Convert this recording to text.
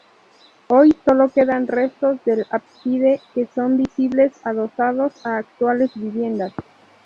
Hoy sólo quedan restos del ábside, que son visibles adosados a actuales viviendas.